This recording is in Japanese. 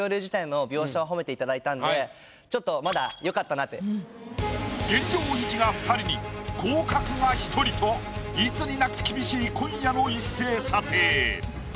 まあでもちょっと現状維持が２人に降格が１人といつになく厳しい今夜の一斉査定。